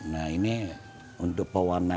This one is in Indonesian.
nah ini untuk pewarna